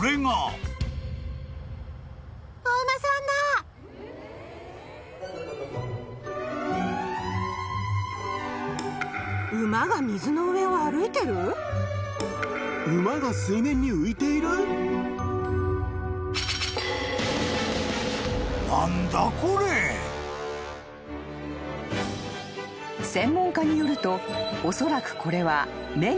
［専門家によるとおそらくこれは］